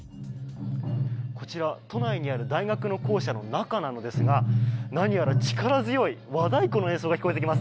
こちら、都内にある大学の校舎の中なんですが何やら力強い和太鼓の演奏が聞こえてきます。